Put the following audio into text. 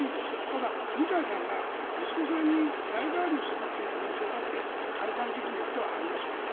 ただ、二階さんが息子さんに代替わりをするという可能性だった解散時期によってはありますよね。